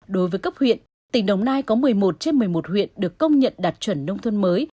đối với cấp huyện tỉnh đồng nai có một mươi một trên một mươi một huyện được công nhận đạt chuẩn nông thôn mới